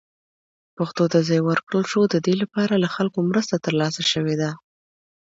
پښتو ته ځای ورکړل شو، د دې لپاره له خلکو مرسته ترلاسه شوې ده.